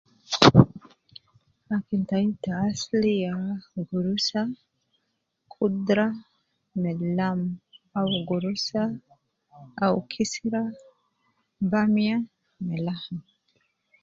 Akil tai ta asli ya gurusa, kudra me lam awu gurusa aw kisra bamia me lam